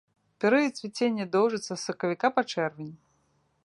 Перыяд цвіцення доўжыцца з сакавіка па чэрвень.